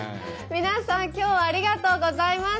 皆さん今日はありがとうございました。